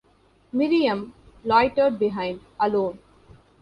Miriam loitered behind, alone.